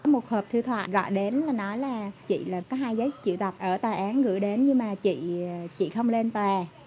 một hợp thư thoại gọi đến là nói là chị có hai giấy triệu tập ở tòa án gửi đến nhưng mà chị không lên tòa